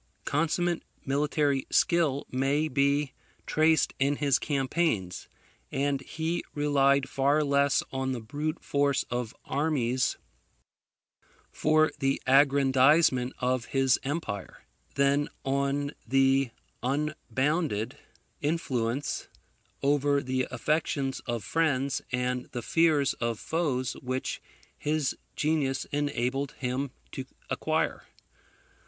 Consummate military skill may be traced in his campaigns; and he relied far less on the brute force of armies for the aggrandizement of his empire, than on the unbounded influence over the affections of friends and the fears of foes which his genius enabled him to acquire.